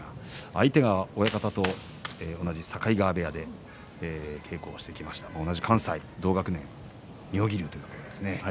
相手が親方と同じ境川部屋で稽古をしてきました同じ関西同学年の妙義龍ですね。